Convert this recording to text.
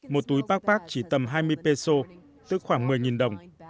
một túi pac pac chỉ tầm hai mươi peso tức khoảng một mươi đồng